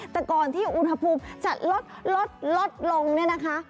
แต่ก่อนที่อุณหภูมิจะลดลดลงเนี่ยนะคะ